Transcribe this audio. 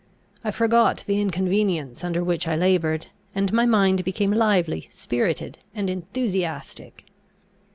I forgot the inconveniences under which I laboured, and my mind became lively, spirited, and enthusiastic.